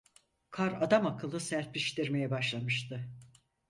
Kar adamakıllı serpiştirmeye başlamıştı.